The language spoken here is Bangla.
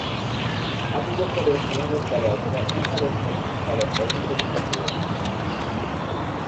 আবু বকর এর খেলাফত কালে অথবা ওমরের খেলাফত কালের প্রথম দিকে মৃত্যুবরণ করেন।